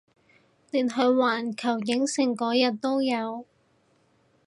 連去環球影城嗰日都有